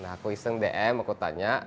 aku iseng dm aku tanya